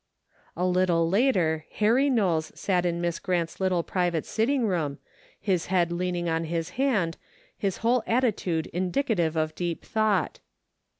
A little later Harry Knowles sat in Miss Grant's little private sitting room, his head leaning on his hand, his whole attitude in dicative of deep thought.